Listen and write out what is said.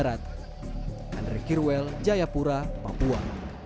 andre kirwel jayapura papua